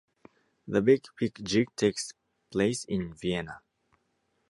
The Big Pig Jig takes place in Vienna.